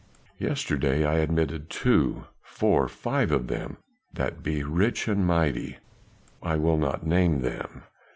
"Yesterday I admitted two four five of them that be rich and mighty I will not name them.